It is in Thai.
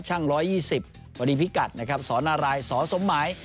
ช่างร้อยยี่สิบพอดีพิกัดนะครับศนารายศสมหมาย